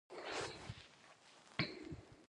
د جومات لور ته تلل د زړه صفا ده.